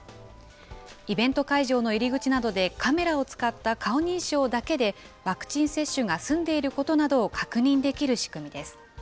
イベント会場の入り口などで、カメラを使った顔認証だけで、ワクチン接種が済んでいることなどを確認できる仕組みです。